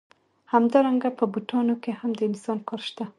همدارنګه په بوټانو کې هم د انسان کار شته